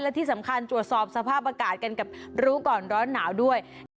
และที่สำคัญตรวจสอบสภาพอากาศกันกับรู้ก่อนร้อนหนาวด้วย